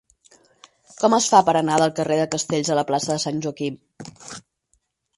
Com es fa per anar del carrer de Castells a la plaça de Sant Joaquim?